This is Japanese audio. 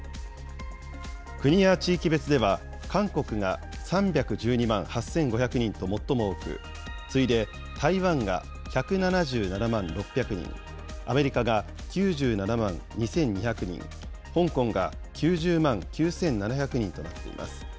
国や地域別では、韓国が３１２万８５００人と最も多く、次いで、台湾が１７７万６００人、アメリカが９７万２２００人、香港が９０万９７００人となっています。